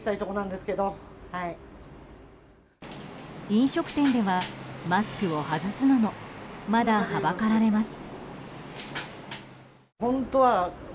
飲食店ではマスクを外すのもまだ、はばかられます。